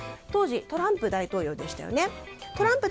当時トランプ大統領でしたよね。